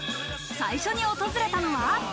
最初に訪れたのは。